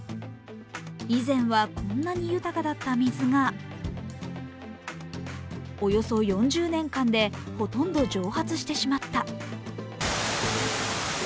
以前は、こんなに豊かだった水がおよそ４０年間でほとんど蒸発してしまった。